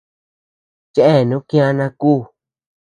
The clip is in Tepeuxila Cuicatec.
Chéanu kiana kú.